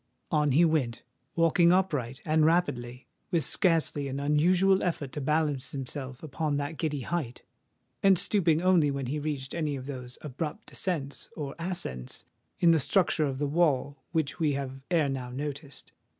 On he went—walking upright, and rapidly—with scarcely an unusual effort to balance himself upon that giddy height,—and stooping only when he reached any of those abrupt descents or ascents in the structure of the wall which we have ere now noticed.